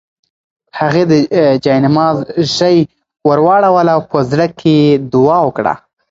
هغې د جاینماز ژۍ ورواړوله او په زړه کې یې دعا وکړه.